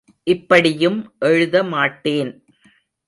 இப்படியும் எழுத மாட்டேன்.